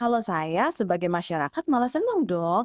kalau saya sebagai masyarakat malah senang dok